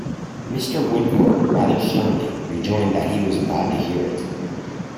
Mr. Woodcourt rather sternly rejoined that he was glad to hear it.